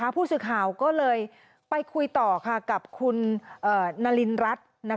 ผู้สื่อข่าวก็เลยไปคุยต่อกับคุณนารินรัฐ